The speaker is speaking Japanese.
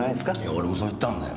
俺もそう言ったんだよ。